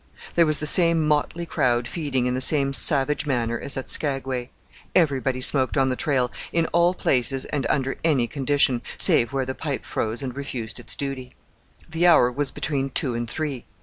There was the same motley crowd feeding in the same savage manner as at Skagway. Everybody smoked on the trail in all places and under any condition save where the pipe froze and refused its duty. The hour was between two and three.